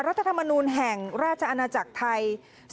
รัฐธรรมนูลแห่งราชอาณาจักรไทย